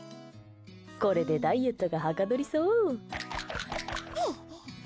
これで、ダイエットがはかどりそう。